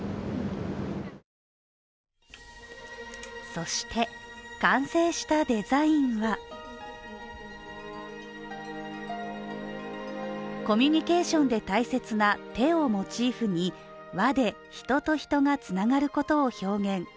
そして完成したデザインはコミュニケーションで大切な手をモチーフに輪で、人と人がつながることを表現。